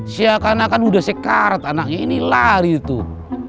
siakana kan udah sekarat anaknya ini lari tuh